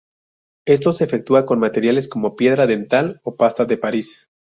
Esto se efectúa con materiales como piedra dental o pasta de Paris.